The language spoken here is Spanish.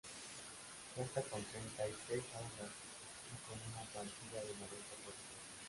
Cuenta con treinta y seis aulas y con una plantilla de noventa profesores.